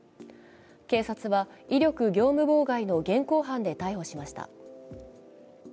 警察は威力業務妨害の現行犯で逮捕しました。